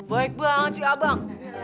baik banget sih abang